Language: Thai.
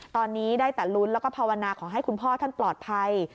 ตอนนี้ได้แต่ลุ้นแล้วก็ภาวนาขอให้คุณพ่อท่านปลอดภัย